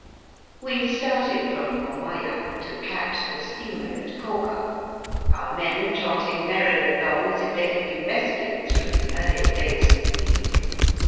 We started from Omaya to catch the steamer at Koga, our men trotting merrily along as if they had been resting through the earlier days of the week.